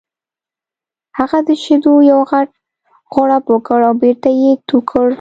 هغه د شیدو یو غټ غوړپ وکړ او بېرته یې تو کړ